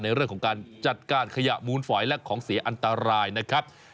ในเรื่องของการจัดการขยะมูลฝอยและของเสียอันตรายนะครับ